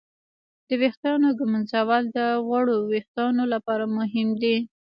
د ویښتانو ږمنځول د غوړو وېښتانو لپاره مهم دي.